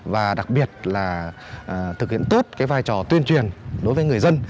và đặc biệt là thực hiện tốt cái vai trò tuyên truyền đối với người dân